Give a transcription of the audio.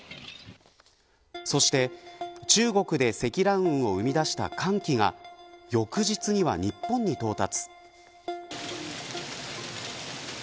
そして、中国で積乱雲を生み出した寒気が翌日には日本に到達。